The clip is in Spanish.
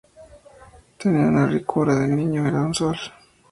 Tenía una ricura de niño. Era un sol